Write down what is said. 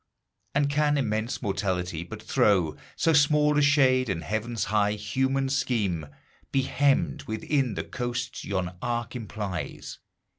And can immense Mortality but throw So small a shade, and Heaven's high human scheme Be hemmed within the coasts yon arc implies?